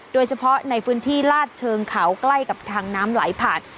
โดยเฉพาะในพื้นที่ลาดเชิงเขาใกล้กับทางน้ำไหลผ่าน